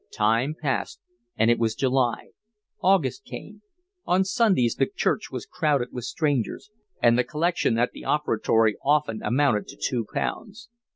Time passed and it was July; August came: on Sundays the church was crowded with strangers, and the collection at the offertory often amounted to two pounds.